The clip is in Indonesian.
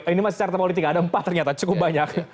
ini masih carta politik ada empat ternyata cukup banyak